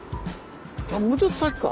あもうちょっと先か。